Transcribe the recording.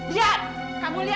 liat kamu lihat